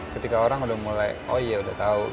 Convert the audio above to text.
ketika orang sudah tahu gitu itu enggak terlalu exciting